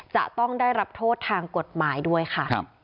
จะต้องได้รับโทษทางกฎหมายด้วยค่ะ